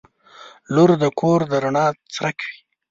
• لور د کور د رڼا څرک وي.